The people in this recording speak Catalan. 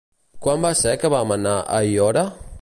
Quan va ser que vam anar a Aiora?